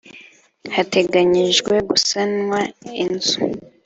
hateganyijwe gusanwa inzu